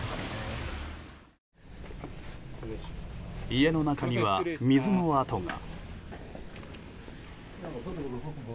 家の中には水の跡が。